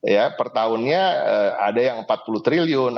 ya per tahunnya ada yang empat puluh triliun